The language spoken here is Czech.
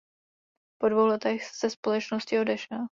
Po dvou letech ze společnosti odešel.